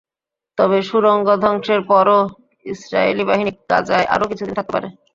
তবে সুড়ঙ্গ ধ্বংসের পরও ইসরায়েলি বাহিনী গাজায় আরও কিছুদিন থাকতে পারে।